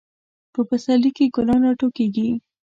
په پسرلی کې ګلان راټوکیږي.